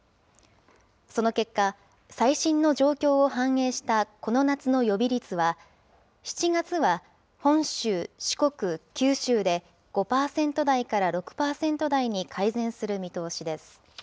その結果、最新の状況を反映したこの夏の予備率は、７月は本州、四国、九州で５％台から６％台に改善する見通しです。